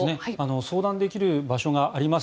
相談できる場所があります。